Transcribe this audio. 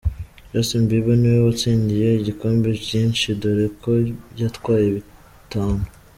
Justin Bieber niwe watsindiye ibikombe byinshi dore ko yatwaye bitanu.